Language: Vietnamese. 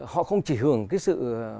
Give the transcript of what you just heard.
họ không chỉ hưởng cái sự